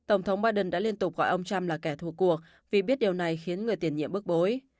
ông biden đã gọi ông trump là kẻ thua cuộc vì biết điều này khiến người tiền nhiệm bức bối